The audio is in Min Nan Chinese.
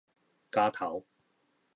剪頭